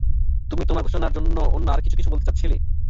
তুমি তোমার ঘোষণায় অন্য আর কিছু কিছু বলতে চাচ্ছিলে?